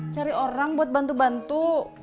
cari orang buat bantu bantu